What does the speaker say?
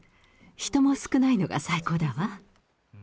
人も少ないのが最高だわ。